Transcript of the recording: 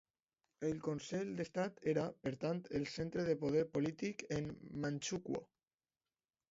El Consell d'Estat era, per tant, el centre del poder polític en Manchukuo.